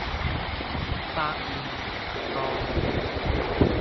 百煉成鋼